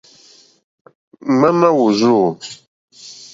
Ŋwáná wùrzû.